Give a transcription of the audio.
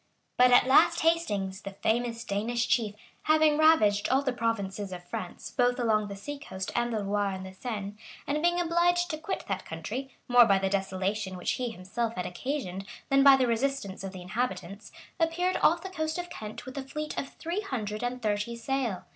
] But at last Hastings, the famous Danish chief, having ravaged all the provinces of France, both along the sea coast and the Loire and Seine, and being obliged to quit that country, more by the desolation which he himself had occasioned, than by the resistance of the inhabitants, appeared off the coast of Kent with a fleet of three hundred and thirty sail.